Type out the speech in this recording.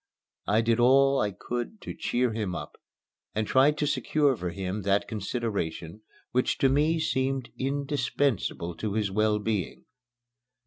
I did all I could to cheer him up, and tried to secure for him that consideration which to me seemed indispensable to his well being.